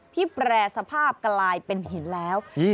แปรสภาพกลายเป็นหินแล้ว